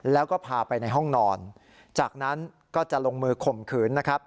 แล้วก็พาไปในห้องนอนจากนั้นก็จะลงมือข่มขืนนะครับ